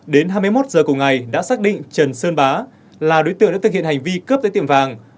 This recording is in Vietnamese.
đến hai mươi một giờ cùng ngày đã xác định trần sơn bá là đối tượng đã thực hiện hành vi cướp tới tiệm vàng